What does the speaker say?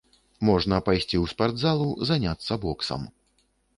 Можна пайсці ў спартзалу, заняцца боксам.